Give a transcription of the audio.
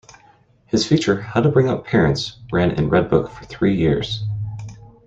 His feature "How to Bring Up Parents" ran in "Redbook" for three years.